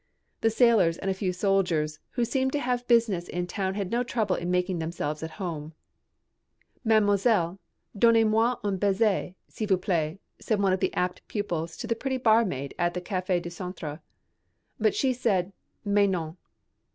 The sailors and a few soldiers who seemed to have business in the town had no trouble in making themselves at home. "Mademoiselle, donnez moi un baiser, s'il vous plait," said one of the apt pupils to the pretty barmaid at the Café du Centre. But she said: "Mais non."